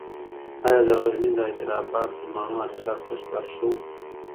ایا د غزني د حیدر اباد د مڼو حاصلات سږکال ښه و؟